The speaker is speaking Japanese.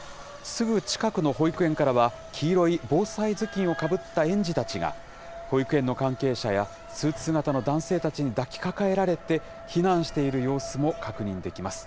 すぐ近くの保育園からは、黄色い防災頭巾をかぶった園児たちが、保育園の関係者やスーツ姿の男性たちに抱きかかえられて、避難している様子も確認できます。